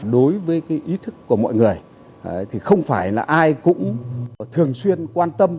đối với ý thức của mọi người không phải ai cũng thường xuyên quan tâm